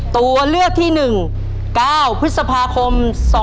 ตัวเลือกที่หนึ่ง๙พฤษภาคม๒๔๔๘